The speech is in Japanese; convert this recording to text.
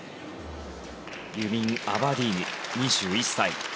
ユミン・アバディーニ、２１歳。